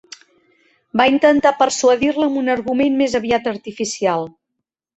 Va intentar persuadir-la amb un argument més aviat artificial